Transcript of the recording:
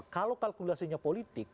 kalau kalkulasinya politik